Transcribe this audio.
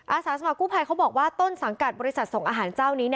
อาสาสมกู้ภัยเขาบอกว่าต้นสังกัดบริษัทส่งอาหารเจ้านี้